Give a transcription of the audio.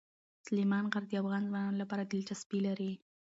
سلیمان غر د افغان ځوانانو لپاره دلچسپي لري.